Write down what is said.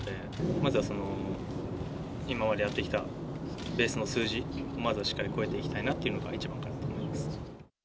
まずは、今までやってきたベースの数字を、まずはしっかり超えていきたいというのが一番だと思います。